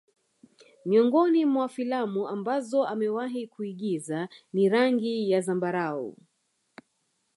Miongoni mwa filamu ambazo amewahi kuigiza ni rangi ya zambarau